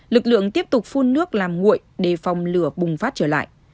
lực lượng tiếp tục phun nước làm nguội để phòng lửa bùng phát trở lại